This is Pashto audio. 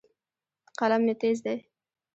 قلم مې تیز دی.